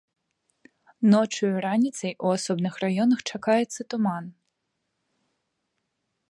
Ноччу і раніцай у асобных раёнах чакаецца туман.